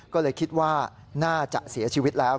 ก็เลยคิดว่าน่าจะเสียชีวิตแล้ว